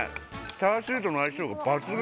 チャーシューとの相性が抜群。